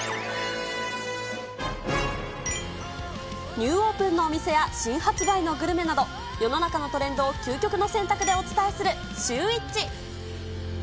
ニューオープンのお店や新発売のグルメなど、世の中のトレンドを究極の選択でお伝えするシューＷｈｉｃｈ。